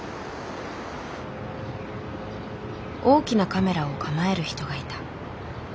大きなカメラを構える人がいた。